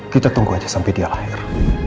kita tunggu aja sampai dia akhir